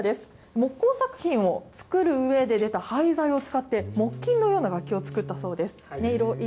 木工作品を作るうえで出た廃材を使って、木琴のような楽器を作ったそうです。